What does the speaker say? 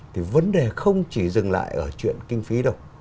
thì vấn đề không chỉ dừng lại ở chuyện kinh phí đâu